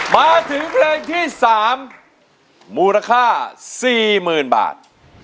มาถึงเพลงที่๓มูลค่า๔๐๐๐บาท